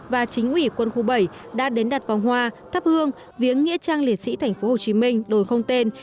và chính ủy quân khu bảy đã đến đặt vòng hoa thắp hương viếng nghĩa trang liệt sĩ tp hcm đồi không tên